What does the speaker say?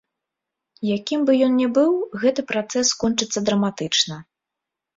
Якім бы ён ні быў, гэты працэс скончыцца драматычна.